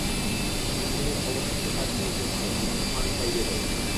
ইঞ্জিনের অবশিষ্ট কাজগুলো শেষ করো, তোমাকে ফান্ড পাইয়ে দেব!